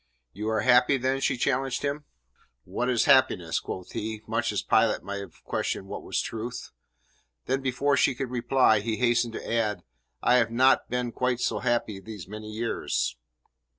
"You are happy, then?" she challenged him. "What is happiness?" quoth he, much as Pilate may have questioned what was truth. Then before she could reply he hastened to add: "I have not been quite so happy these many years."